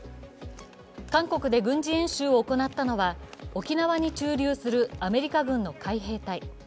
韓国で軍事演習を行ったのは沖縄に駐留するアメリカ軍の海兵隊。